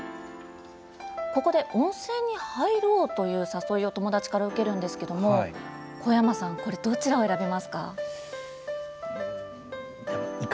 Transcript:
ここで温泉に入ろうという誘いを友達から受けるんですけれども小山さん、これどちらを選びますか？